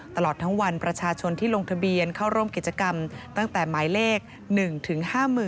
ตลอดทั้งวันประชาชนที่ลงทะเบียนเข้าร่วมกิจกรรมตั้งแต่หมายเลข๑ถึง๕๐๐๐